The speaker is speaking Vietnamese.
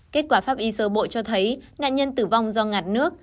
kết quả pháp y sơ bộ cho thấy nạn nhân tử vong do ngạt nước